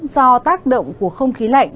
do tác động của không khí lạnh